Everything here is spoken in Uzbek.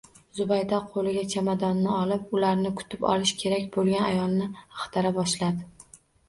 Zubayda qo`liga chamadonni olib, ularni kutib olishi kerak bo`lgan ayolni axtara boshladi